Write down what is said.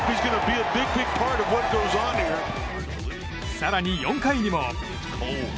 更に、４回にも。